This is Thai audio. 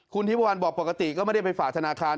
คุณทิพวันบอกปกติก็ไม่ได้ไปฝากธนาคาร